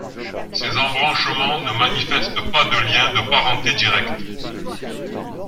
Ces embranchements ne manifestent pas de liens de parenté directs.